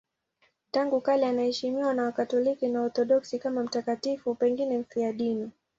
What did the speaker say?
Tangu kale anaheshimiwa na Wakatoliki na Waorthodoksi kama mtakatifu, pengine mfiadini.